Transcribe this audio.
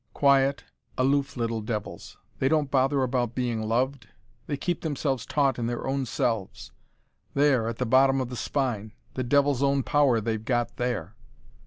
Quiet, aloof little devils. They don't bother about being loved. They keep themselves taut in their own selves there, at the bottom of the spine the devil's own power they've got there."